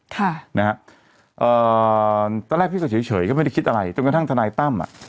ตั้งแต่แรกพี่ก็เฉยก็ไม่ได้คิดอะไรจนกระทั่งทนายตั้มอะ